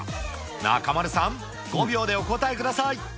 中丸さん、５秒でお答えください。